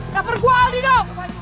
kabar gua aldi dong